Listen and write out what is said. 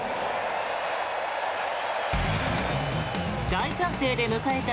大歓声で迎えた